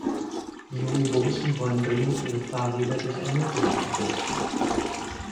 Die jungen Burschen wollen dringend ihre Fahrräder durch ein Motorrad ersetzen.